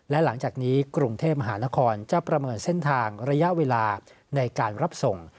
และหลังจากนี้กรุงเทพมหานครจะประเมินเส้นทางระยะเวลาในการรับส่ง